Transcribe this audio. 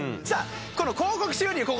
さあこの広告収入